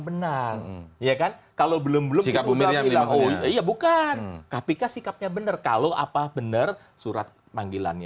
benar ya kan kalau belum belum sikapnya ya bukan tapi kasih kapnya bener bener surat panggilannya